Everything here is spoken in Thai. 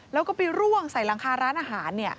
แล้วก็ไปร่วงใส่หลังคาร้านอาหาร